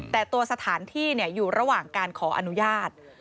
แต่ตัวสถานที่อยู่ระหว่างการขออนุญาต